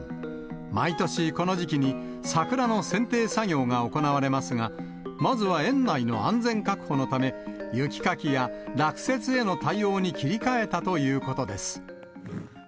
毎年この時期に、桜のせんてい作業が行われますが、まずは園内の安全確保のため、雪かきや落雪への対応に切り替えたということです。